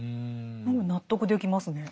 納得できますね。